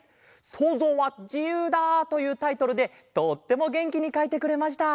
「そうぞうはじゆうだ！」というタイトルでとってもげんきにかいてくれました。